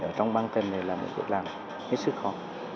ở trong băng tần này là một việc làm hết sức khó